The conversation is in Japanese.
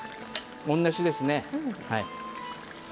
同じですね。